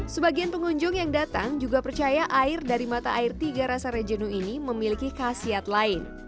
sebagian pengunjung yang datang juga percaya air dari mata air tiga rasa rejenu ini memiliki khasiat lain